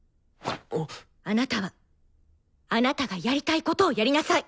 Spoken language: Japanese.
あなたはあなたがやりたいことをやりなさい！